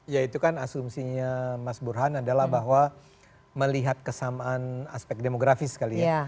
ya itu kan asumsinya mas burhan adalah bahwa melihat kesamaan aspek demografis kali ya